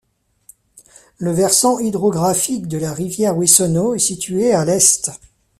Le versant hydrographique de la rivière Wessonneau est situé à l'Est.